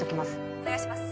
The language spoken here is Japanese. お願いします